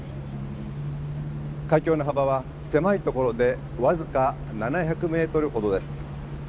海峡の幅は狭いところで僅か７００メートルほどです。